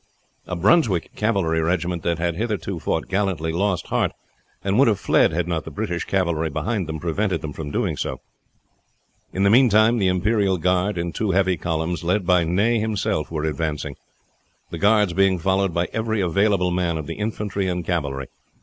A Brunswick cavalry regiment that had hitherto fought gallantly lost heart and would have fled had not the British cavalry behind them prevented them from doing so. In the meantime the Imperial Guard in two heavy columns, led by Ney himself, were advancing, the guards being followed by every available man of the infantry and cavalry.